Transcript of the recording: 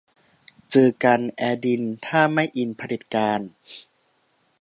เจอกันเอดินถ้าไม่อินเผด็จการ